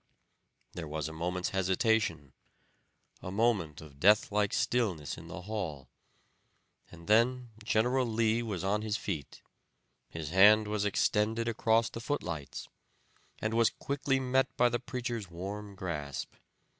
There was a moment's hesitation, a moment of death like stillness in the hall, and then General Lee was on his feet, his hand was extended across the footlights, and was quickly met by the preacher's warm grasp.